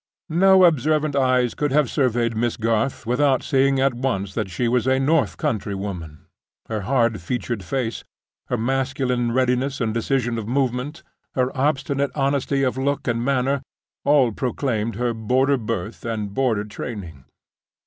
No observant eyes could have surveyed Miss Garth without seeing at once that she was a north countrywoman. Her hard featured face; her masculine readiness and decision of movement; her obstinate honesty of look and manner, all proclaimed her border birth and border training.